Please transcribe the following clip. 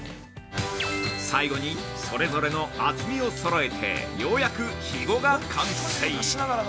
◆最後にそれぞれの厚みをそろえて、ようやく、ひごが完成。